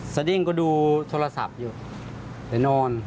สดิ้งก็ดูโทรศัพท์อยู่ไปนอน